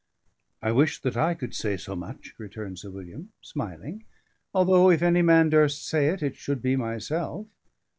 "I wish that I could say so much," returned Sir William, smiling; "although, if any man durst say it, it should be myself.